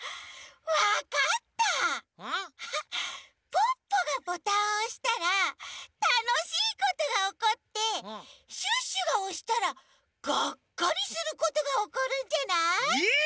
ポッポがボタンをおしたらたのしいことがおこってシュッシュがおしたらガッカリすることがおこるんじゃない？え！？